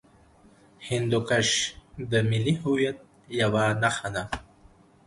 هندوکش د ملي هویت یوه نښه ده.